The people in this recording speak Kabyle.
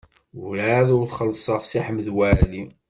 Werɛad ur xellṣeɣ Si Ḥmed Waɛli.